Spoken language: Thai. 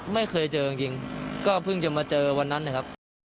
ไม่เคยเจอจริงก็เพิ่งจะมาเจอวันนั้นนะครับ